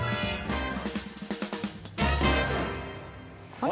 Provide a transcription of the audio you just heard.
あれ？